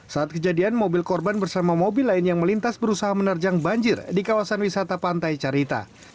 saat kejadian mobil korban bersama mobil lain yang melintas berusaha menerjang banjir di kawasan wisata pantai carita